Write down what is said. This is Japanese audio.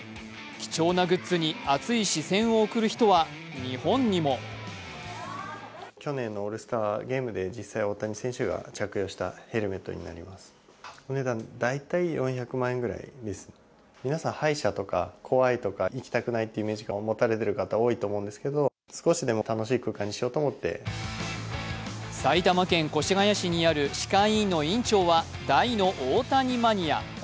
貴重なグッズに熱い視線を送る人は日本にも埼玉県越谷市にある歯科医院の院長は大の大谷マニア。